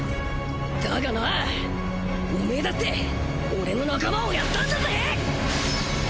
だがなオメエだって俺の仲間を殺ったんだぜ！